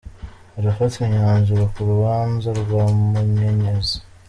Harafatwa imyanzuro ku rubanza rwa Munyenyezi